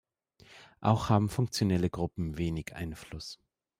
Auch haben funktionelle Gruppen wenig Einfluss.